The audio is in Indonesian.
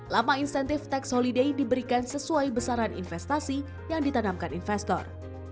lama insentif tax holiday diberikan sesuai besaran investasi yang ditanamkan investor